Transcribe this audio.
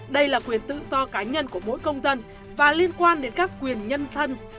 đây là quyền tự do cá nhân của mỗi công dân và liên quan đến các quyền nhân thân